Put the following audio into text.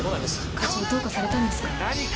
課長どうかされたんですか？